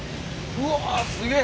うわすげえ！